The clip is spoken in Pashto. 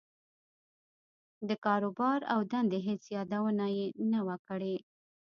د کاروبار او دندې هېڅ يادونه يې نه وه کړې.